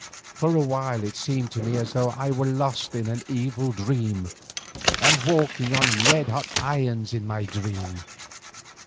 For a while it seemed to me as though I were lost in an evil dream and walking on red hot irons in my dream.